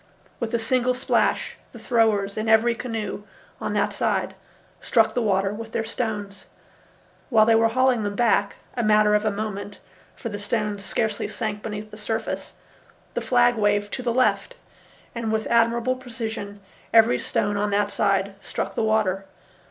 With a single splash the throwers in every canoe on that side struck the water with their stones. While they were hauling them back—a matter of a moment, for the stones scarcely sank beneath the surface—the flag waved to the left, and with admirable precision every stone on that side struck the water.